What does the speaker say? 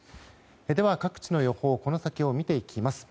では、各地の予報この先を見ていきます。